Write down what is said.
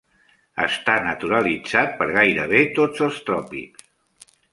Està naturalitzat per gairebé tots els tròpics.